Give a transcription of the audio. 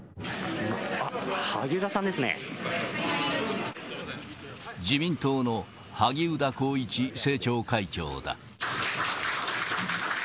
あっ、自民党の萩生田光一政調会長だ。